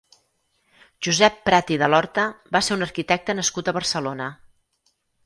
Josep Prat i Delorta va ser un arquitecte nascut a Barcelona.